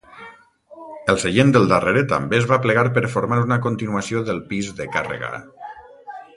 El seient del darrere també es va plegar per formar una continuació del pis de càrrega.